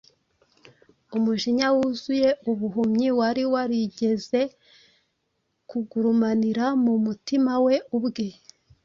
Umujinya wuzuye ubuhumyi wari warigeze kugurumanira mu mutima we ubwe